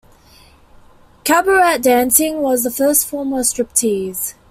Cabaret dancing was the first form of "strip tease".